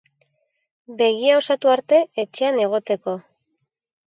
Begia osatu arte etxean egoteko.